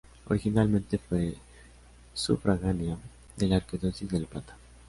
Originalmente fue sufragánea de la arquidiócesis de La Plata.